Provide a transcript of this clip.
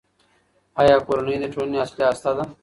آیا کورنۍ د ټولنې اصلي هسته ده؟